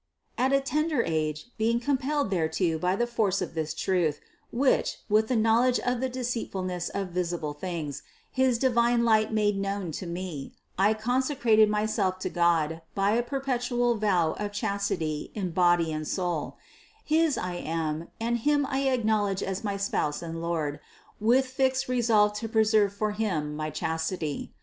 At a tender age, being compelled thereto by the force of this truth, which, with the knowledge of the deceitful ness of visible things, his divine light made known to me, I consecrated myself to God by a perpetual vow of chastity in body and soul ; his I am and Him I acknowl edge as my Spouse and Lord, with fixed resolve to pre serve for Him my chastity.